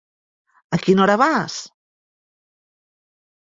A quina hora vas?